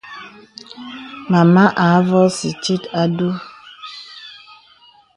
Màma à avɔ̄sì tit a du.